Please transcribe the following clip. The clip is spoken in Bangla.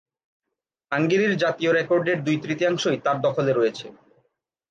হাঙ্গেরির জাতীয় রেকর্ডের দুই-তৃতীয়াংশই তার দখলে রয়েছে।